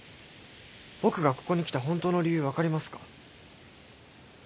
僕がここに来たホントの理由分かりますか？